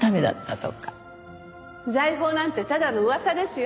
財宝なんてただの噂ですよ。